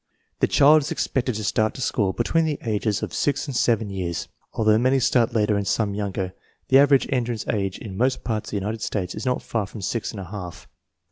The child is expected to start to school between the ages of six and seven years. Although many start later and some younger, the average entrance age in most parts of the United States is not far from six and a half.